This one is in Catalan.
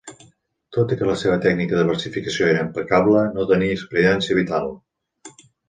Tot i que la seva tècnica de versificació era impecable, no tenia experiència vital.